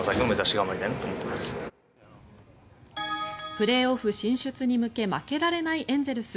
プレーオフ進出に向け負けられないエンゼルス。